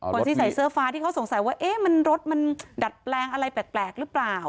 คนที่ใส่เสื้อฟ้าที่เขาสงสัยว่าเอ๊ะมันรถมันดัดแปลงอะไรแปลกหรือเปล่า